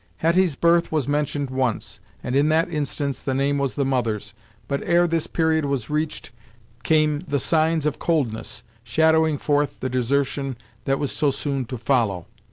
Hetty's birth was mentioned once, and in that instance the name was the mother's, but ere this period was reached came the signs of coldness, shadowing forth the desertion that was so soon to follow.